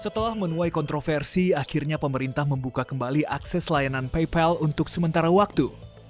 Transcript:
setelah menuai kontroversi akhirnya pemerintah membuka kembali akses layanan paypal untuk sementara waktu